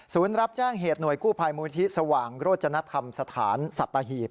ศูนย์รับแจ้งเหตุหน่วยกู้ภัยมุมนิธิสว่างโรจนธรรมสถานสัตว์ฮีบ